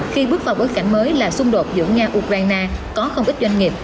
khi bước vào bối cảnh mới là xung đột giữa nga ukraine có không ít doanh nghiệp